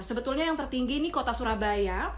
sebetulnya yang tertinggi ini kota surabaya